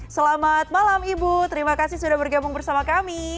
selamat malam ibu terima kasih sudah bergabung bersama kami